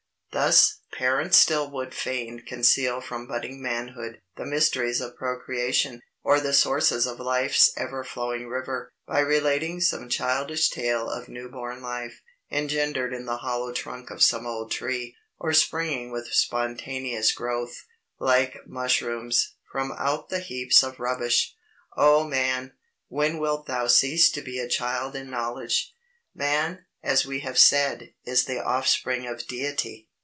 Thus, parents still would fain conceal from budding manhood, the mysteries of procreation, or the sources of life's ever flowing river, by relating some childish tale of new born life, engendered in the hollow trunk of some old tree, or springing with spontaneous growth, like mushrooms, from out the heaps of rubbish. O man! When wilt thou cease to be a child in knowledge? Man, as we have said, is the offspring of Deity.